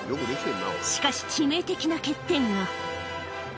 しかし、致命的な欠点が。